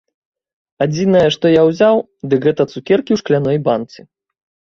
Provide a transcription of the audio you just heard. Адзінае, што я ўзяў, дык гэта цукеркі ў шкляной банцы.